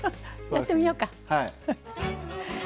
やってみようか。